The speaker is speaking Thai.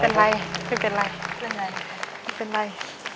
เป็นไรเป็นไรเป็นไร